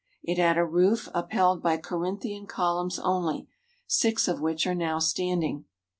It had a roof upheld by Corinthian columns only, six of which are now standing.